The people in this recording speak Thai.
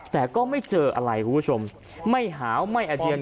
แต่ก็ไม่เจออะไรคุณผู้ชมไม่หาวไม่อาเดียน